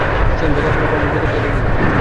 জগত্তারিণীর প্রবেশ জগত্তারিণী।